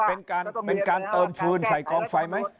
แต่ว่าเป็นการเติมฟูลใส่กรองไฟมั้ย